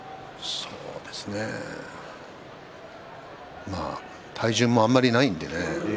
そうですね体重もあまりないのでね